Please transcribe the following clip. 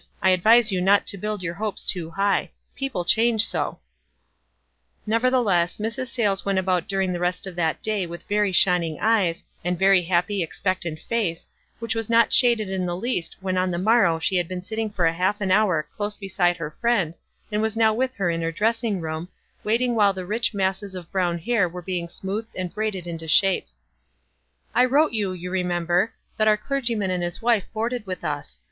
I advise you not to build your hopes too high # WISE AND OTHERWISE. 59 Nevertheless, Mrs. Sayles went about during the rest of that day with very shining eyes, and very happy, expectant face, which was not shaded in the least when on the morrow she had been sitting for half an hour close beside her friend, and was now with her in her dressing room, waiting while the rich masses of brown hair were being smoothed and braided into 6hape. "I w T rote you, you remember, that our cler gyman and his wife boarded with us.